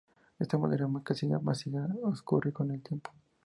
Esta madera casi mágica oscurece con el tiempo.